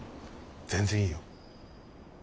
全然いいよ。